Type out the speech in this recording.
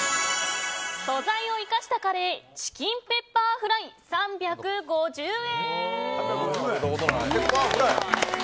素材を生かしたカレーチキンペッパーフライ、３５０円。